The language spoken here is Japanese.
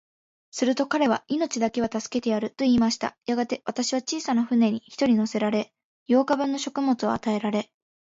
すると彼は、命だけは助けてやる、と言いました。やがて、私は小さな舟に一人乗せられ、八日分の食物を与えられ、